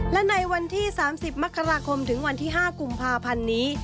และในวันที่๓๐มกราคมถึงวันที่๕กุมภาพันธ์นี้